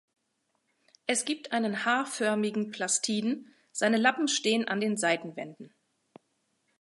Es gibt einen H-förmigen Plastiden, seine Lappen stehen an den Seitenwänden.